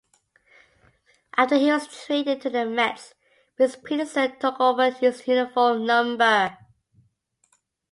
After he was traded to the Mets, Fritz Peterson took over his uniform number.